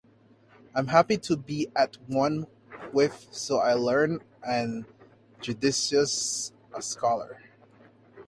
I am happy to be at one with so learned and judicious a scholar.